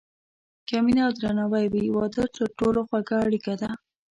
که مینه او درناوی وي، واده تر ټولو خوږه اړیکه ده.